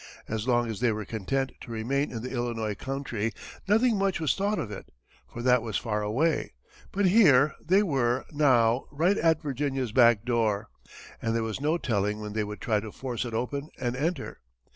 As long as they were content to remain in the Illinois country, nothing much was thought of it, for that was far away; but here they were now right at Virginia's back door, and there was no telling when they would try to force it open and enter.